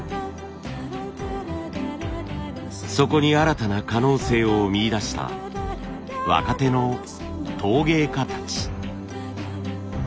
そこに新たな可能性を見いだした若手の陶芸家たち。